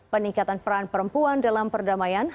peningkatan peran perempuan dalam perdamaian